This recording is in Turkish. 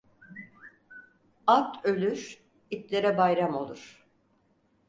At ölür, itlere bayram olur.